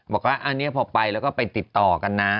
บอกว่าอันนี้พอไปแล้วก็ไปติดต่อกันนะ